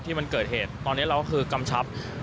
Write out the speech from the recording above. ที่มันเกิดเหตุตอนนี้เราก็คือกำชับ